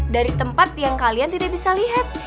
dari tempat yang kalian tidak bisa lihat